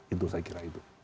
itu saya kira itu